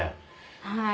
はい。